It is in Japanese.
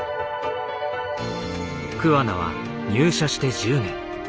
桑名は入社して１０年。